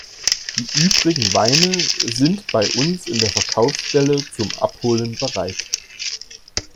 Die übrigen Weine sind bei uns in der Verkaufsstelle zum Abholen bereit.